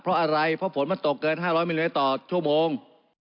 เพราะอะไรเพราะฝนมันตกเกิน๕๐๐มิลลิต่อชั่วโมง